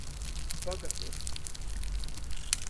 Bagaturs.